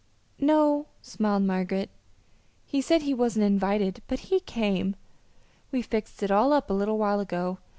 "No," smiled Margaret. "He said he wasn't invited, but he came. We fixed it all up a little while ago.